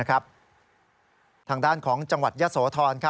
ทางด้านของจังหวัดยะโสธร